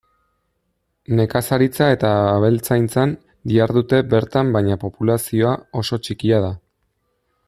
Nekazaritza eta abeltzaintzan dihardute bertan baina populazioa oso txikia da.